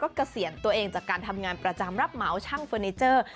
เกษียณตัวเองจากการทำงานประจำรับเหมาช่างเฟอร์นิเจอร์